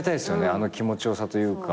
あの気持ち良さというか。